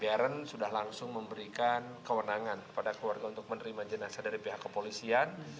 bahwa pengadilan di beren sudah langsung memberikan kewenangan kepada keluarga untuk menerima jenazah dari pihak kepolisian